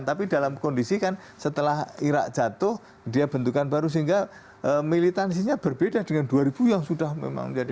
tapi dalam kondisi kan setelah irak jatuh dia bentukan baru sehingga militansinya berbeda dengan dua ribu yang sudah memang